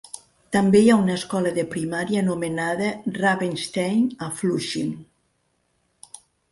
També hi ha una escola de primària anomenada "Ravenstein" a Flushing.